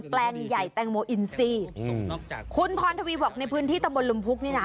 แปลงใหญ่แตงโมอินซีคุณพรทวีบอกในพื้นที่ตำบลลุมพุกนี่น่ะ